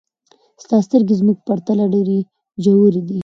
ستا سترګې زموږ په پرتله ډېرې ژورې دي.